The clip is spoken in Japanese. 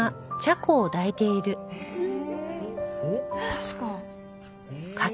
確か。